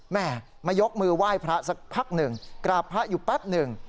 แม่มายกมือไหว้พระสักพักหนึ่งกราบพระอยู่แป๊บหนึ่ง